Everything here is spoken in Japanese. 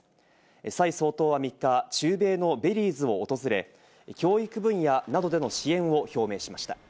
サイ総統は３日、中米のベリーズを訪れ、教育分野などでの支援を表明しました。